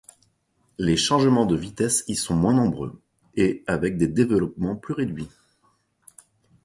Les changements de vitesse y sont moins nombreux, et avec des développements plus réduits.